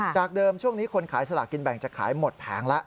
จากเดิมช่วงนี้คนขายสลากกินแบ่งจะขายหมดแผงแล้ว